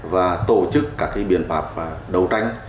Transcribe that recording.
và tổ chức các biện phạm đấu tranh